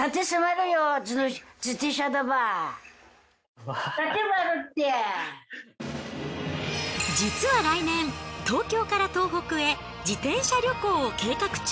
ここで実は来年東京から東北へ自転車旅行を計画中。